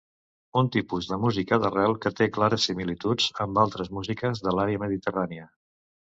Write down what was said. Un tipus de música d'arrel que té clares similituds amb altres músiques de l'àrea mediterrània.